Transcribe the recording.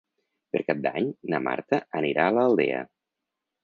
Per Cap d'Any na Marta anirà a l'Aldea.